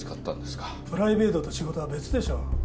プライベートと仕事は別でしょう。